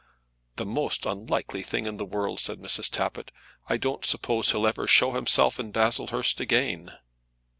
"The most unlikely thing in the world," said Mrs. Tappitt. "I don't suppose he'll ever show himself in Baslehurst again."